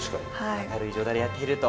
明るい状態でやっていると。